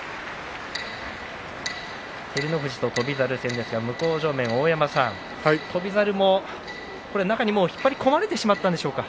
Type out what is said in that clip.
照ノ富士と翔猿戦ですが向正面の大山さん翔猿も中に引っ張り込まれてしまったんでしょうか。